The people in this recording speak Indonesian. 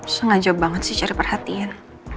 sengaja banget sih cari perhatian